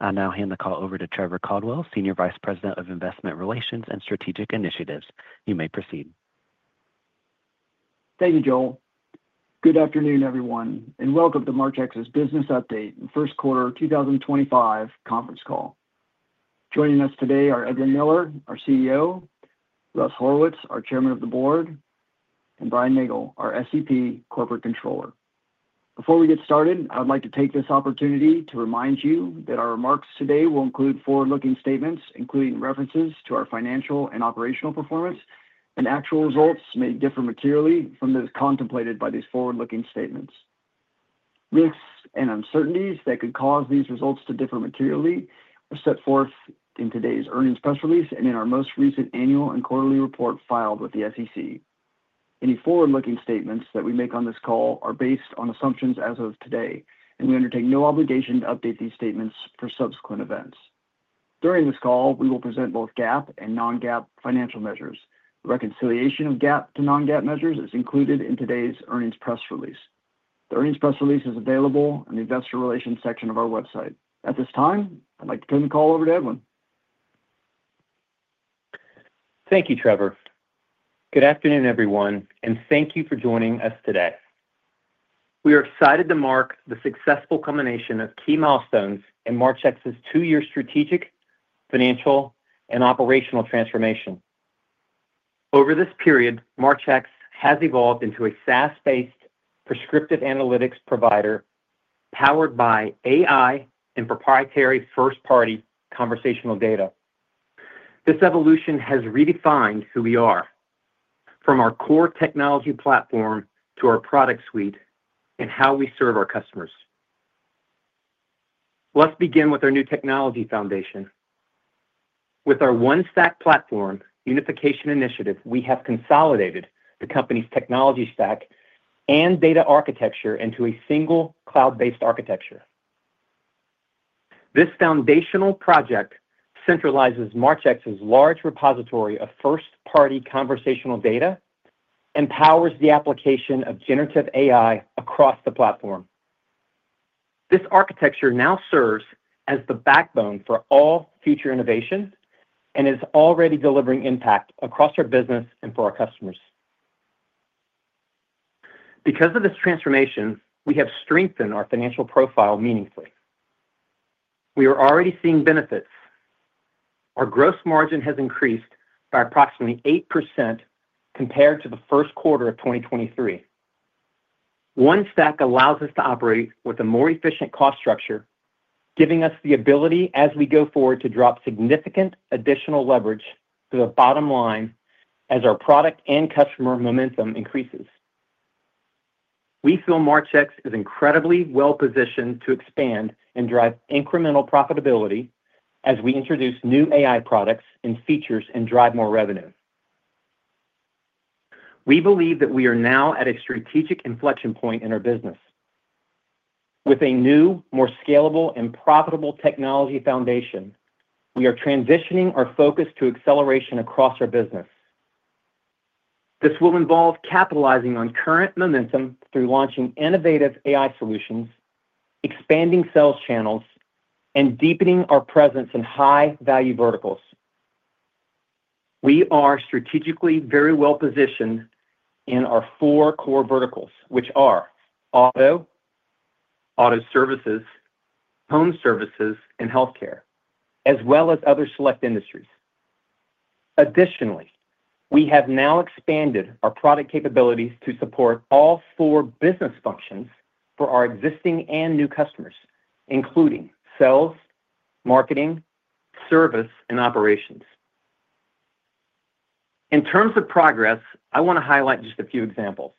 I'll now hand the call over to Trevor Caldwell, Senior Vice President of Investment Relations and Strategic Initiatives. You may proceed. Thank you, Joel. Good afternoon, everyone, and welcome to Marchex's Business Update and First Quarter 2025 conference Call. Joining us today are Edwin Miller, our CEO; Russell Horowitz, our Chairman of the Board; and Brian Nagle, our SVP Corporate Controller. Before we get started, I would like to take this opportunity to remind you that our remarks today will include forward-looking statements, including references to our financial and operational performance, and actual results may differ materially from those contemplated by these forward-looking statements. Risks and uncertainties that could cause these results to differ materially are set forth in today's earnings press release and in our most recent annual and quarterly report filed with the SEC. Any forward-looking statements that we make on this call are based on assumptions as of today, and we undertake no obligation to update these statements for subsequent events. During this call, we will present both GAAP and non-GAAP financial measures. The reconciliation of GAAP to non-GAAP measures is included in today's earnings press release. The earnings press release is available in the Investor Relations section of our website. At this time, I'd like to turn the call over to Edwin. Thank you, Trevor. Good afternoon, everyone, and thank you for joining us today. We are excited to mark the successful culmination of key milestones in Marchex's two-year strategic, financial, and operational transformation. Over this period, Marchex has evolved into a SaaS-based prescriptive analytics provider powered by AI and proprietary first-party conversational data. This evolution has redefined who we are, from our core technology platform to our product suite and how we serve our customers. Let's begin with our new technology foundation. With our OneStack Platform Unification Initiative, we have consolidated the company's technology stack and data architecture into a single cloud-based architecture. This foundational project centralizes Marchex's large repository of first-party conversational data and powers the application of generative AI across the platform. This architecture now serves as the backbone for all future innovation and is already delivering impact across our business and for our customers. Because of this transformation, we have strengthened our financial profile meaningfully. We are already seeing benefits. Our gross margin has increased by approximately 8% compared to the first quarter of 2023. OneStack allows us to operate with a more efficient cost structure, giving us the ability, as we go forward, to drop significant additional leverage to the bottom line as our product and customer momentum increases. We feel Marchex is incredibly well-positioned to expand and drive incremental profitability as we introduce new AI products and features and drive more revenue. We believe that we are now at a strategic inflection point in our business. With a new, more scalable, and profitable technology foundation, we are transitioning our focus to acceleration across our business. This will involve capitalizing on current momentum through launching innovative AI solutions, expanding sales channels, and deepening our presence in high-value verticals. We are strategically very well-positioned in our four core verticals, which are auto, auto services, home services, and healthcare, as well as other select industries. Additionally, we have now expanded our product capabilities to support all four business functions for our existing and new customers, including sales, marketing, service, and operations. In terms of progress, I want to highlight just a few examples.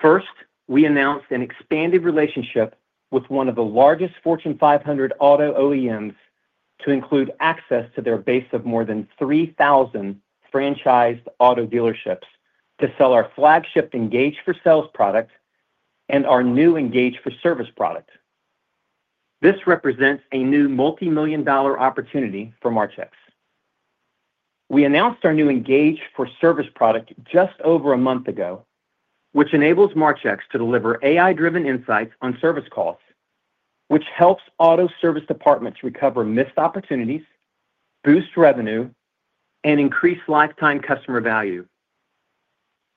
First, we announced an expanded relationship with one of the largest Fortune 500 auto OEMs to include access to their base of more than 3,000 franchised auto dealerships to sell our flagship Engage for Sales product and our new Engage for Service product. This represents a new multi-million dollar opportunity for Marchex. We announced our new Engage for Service product just over a month ago, which enables Marchex to deliver AI-driven insights on service calls, which helps auto service departments recover missed opportunities, boost revenue, and increase lifetime customer value.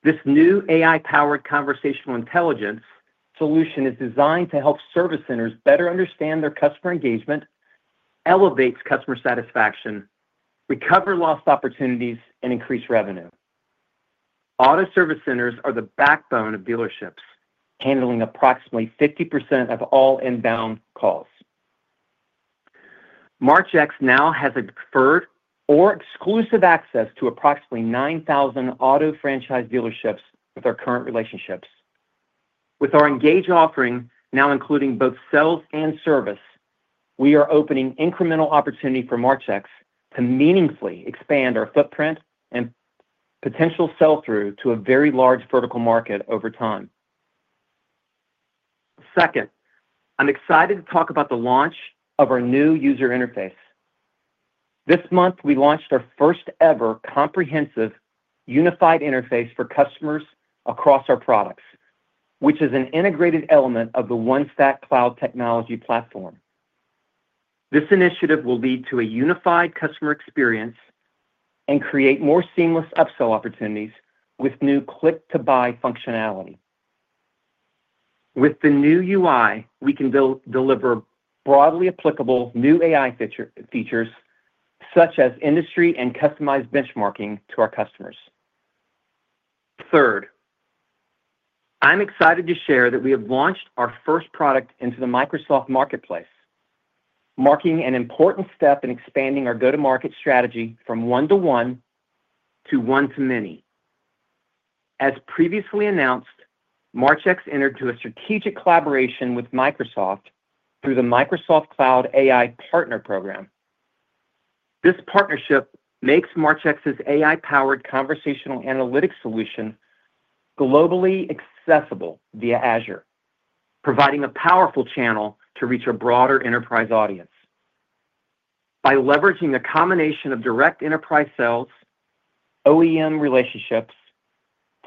This new AI-powered conversational intelligence solution is designed to help service centers better understand their customer engagement, elevate customer satisfaction, recover lost opportunities, and increase revenue. Auto service centers are the backbone of dealerships, handling approximately 50% of all inbound calls. Marchex now has a deferred or exclusive access to approximately 9,000 auto franchise dealerships with our current relationships. With our Engage offering now including both sales and service, we are opening incremental opportunity for Marchex to meaningfully expand our footprint and potential sell-through to a very large vertical market over time. Second, I'm excited to talk about the launch of our new user interface. This month, we launched our first-ever comprehensive unified interface for customers across our products, which is an integrated element of the OneStack Cloud Technology Platform. This initiative will lead to a unified customer experience and create more seamless upsell opportunities with new click-to-buy functionality. With the new UI, we can deliver broadly applicable new AI features such as industry and customized benchmarking to our customers. Third, I'm excited to share that we have launched our first product into the Microsoft Marketplace, marking an important step in expanding our go-to-market strategy from one-to-one to one-to-many. As previously announced, Marchex entered into a strategic collaboration with Microsoft through the Microsoft Cloud AI Partner Program. This partnership makes Marchex's AI-powered conversational analytics solution globally accessible via Azure, providing a powerful channel to reach a broader enterprise audience. By leveraging a combination of direct enterprise sales, OEM relationships,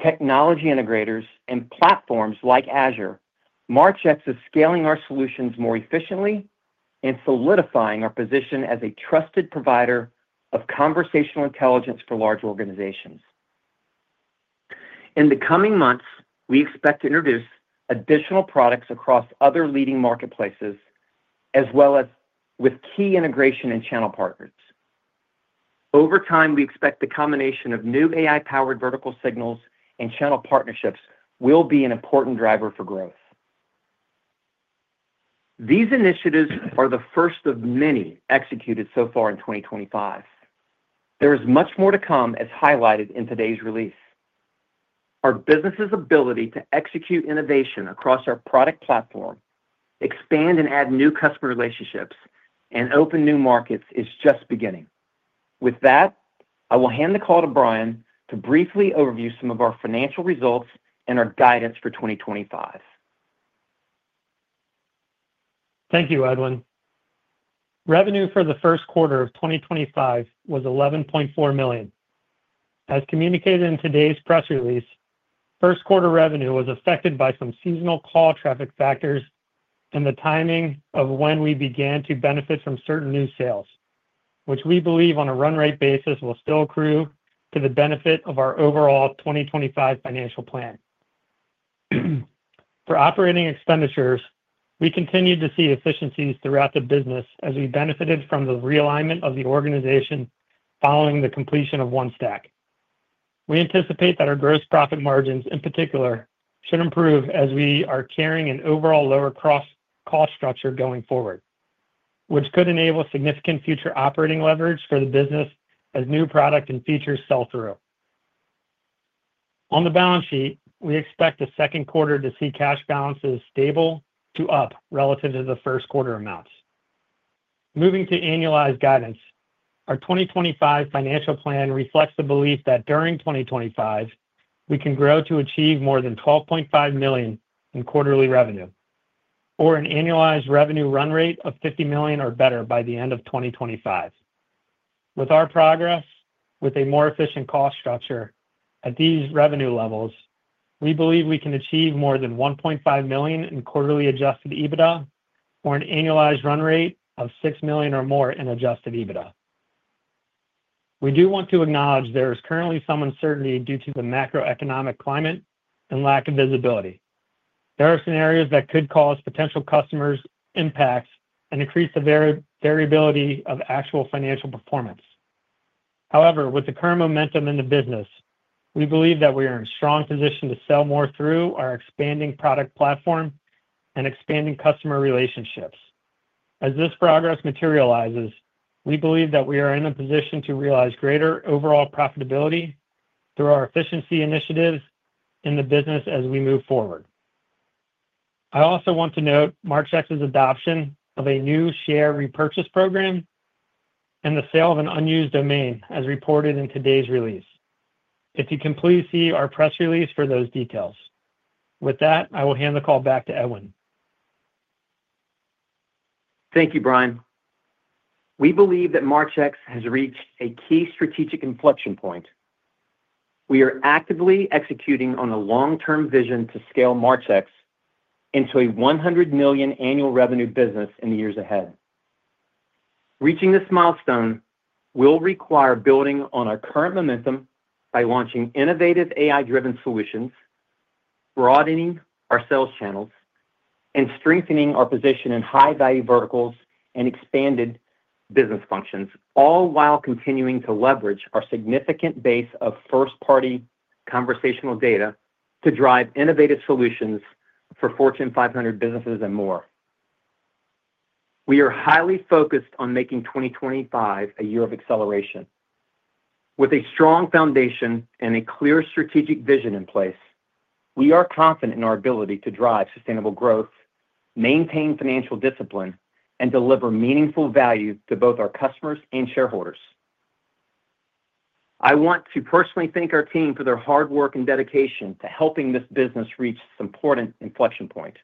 technology integrators, and platforms like Azure, Marchex is scaling our solutions more efficiently and solidifying our position as a trusted provider of conversational intelligence for large organizations. In the coming months, we expect to introduce additional products across other leading marketplaces, as well as with key integration and channel partners. Over time, we expect the combination of new AI-powered vertical signals and channel partnerships will be an important driver for growth. These initiatives are the first of many executed so far in 2025. There is much more to come, as highlighted in today's release. Our business's ability to execute innovation across our product platform, expand and add new customer relationships, and open new markets is just beginning. With that, I will hand the call to Brian to briefly overview some of our financial results and our guidance for 2025. Thank you, Edwin. Revenue for the first quarter of 2025 was $11.4 million. As communicated in today's press release, first-quarter revenue was affected by some seasonal call traffic factors and the timing of when we began to benefit from certain new sales, which we believe on a run-rate basis will still accrue to the benefit of our overall 2025 financial plan. For operating expenditures, we continued to see efficiencies throughout the business as we benefited from the realignment of the organization following the completion of OneStack. We anticipate that our gross profit margins, in particular, should improve as we are carrying an overall lower cost structure going forward, which could enable significant future operating leverage for the business as new product and features sell-through. On the balance sheet, we expect the second quarter to see cash balances stable to up relative to the first-quarter amounts. Moving to annualized guidance, our 2025 financial plan reflects the belief that during 2025, we can grow to achieve more than $12.5 million in quarterly revenue, or an annualized revenue run rate of $50 million or better by the end of 2025. With our progress, with a more efficient cost structure at these revenue levels, we believe we can achieve more than $1.5 million in quarterly adjusted EBITDA or an annualized run rate of $6 million or more in adjusted EBITDA. We do want to acknowledge there is currently some uncertainty due to the macroeconomic climate and lack of visibility. There are scenarios that could cause potential customers' impacts and increase the variability of actual financial performance. However, with the current momentum in the business, we believe that we are in a strong position to sell more through our expanding product platform and expanding customer relationships. As this progress materializes, we believe that we are in a position to realize greater overall profitability through our efficiency initiatives in the business as we move forward. I also want to note Marchex's adoption of a new share repurchase program and the sale of an unused domain, as reported in today's release. If you can please see our press release for those details. With that, I will hand the call back to Edwin. Thank you, Brian. We believe that Marchex has reached a key strategic inflection point. We are actively executing on a long-term vision to scale Marchex into a $100 million annual revenue business in the years ahead. Reaching this milestone will require building on our current momentum by launching innovative AI-driven solutions, broadening our sales channels, and strengthening our position in high-value verticals and expanded business functions, all while continuing to leverage our significant base of first-party conversational data to drive innovative solutions for Fortune 500 businesses and more. We are highly focused on making 2025 a year of acceleration. With a strong foundation and a clear strategic vision in place, we are confident in our ability to drive sustainable growth, maintain financial discipline, and deliver meaningful value to both our customers and shareholders. I want to personally thank our team for their hard work and dedication to helping this business reach this important inflection point.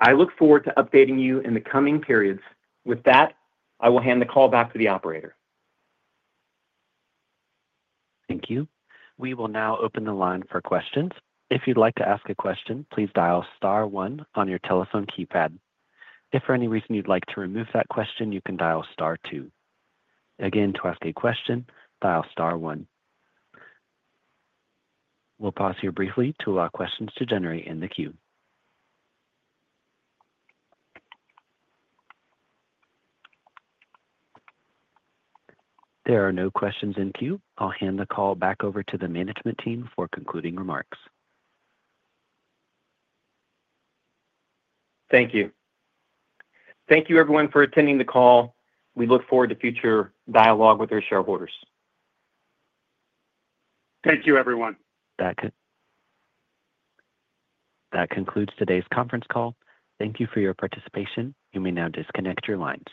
I look forward to updating you in the coming periods. With that, I will hand the call back to the operator. Thank you. We will now open the line for questions. If you'd like to ask a question, please dial star one on your telephone keypad. If for any reason you'd like to remove that question, you can dial star two. Again, to ask a question, dial star one. We'll pause here briefly to allow questions to generate in the queue. There are no questions in queue. I'll hand the call back over to the management team for concluding remarks. Thank you. Thank you, everyone, for attending the call. We look forward to future dialogue with our shareholders. Thank you, everyone. That concludes today's conference call. Thank you for your participation. You may now disconnect your lines.